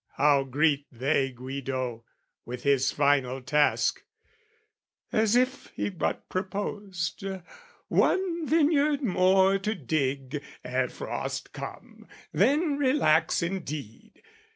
How greet they Guido with his final task (As if he but proposed "One vineyard more "To dig, ere frost come, then relax indeed!")